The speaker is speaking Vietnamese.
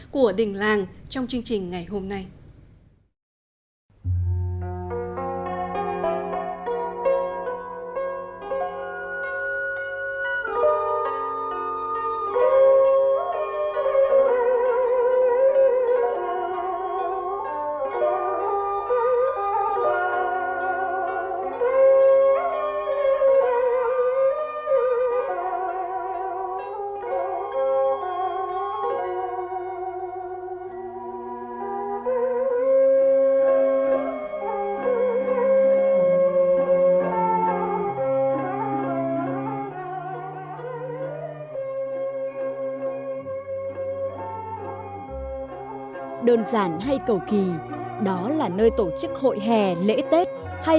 của đình làng trong chương trình ngày hôm nay